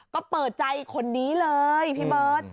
ก็เปิดใจคนนี้เลยพี่เบิร์ต